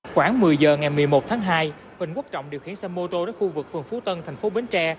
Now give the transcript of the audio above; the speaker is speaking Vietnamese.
khoảng một mươi giờ ngày một mươi một tháng hai nguyễn quốc trọng điều khiển xe mô tô đến khu vực phường phú tân tp bến tre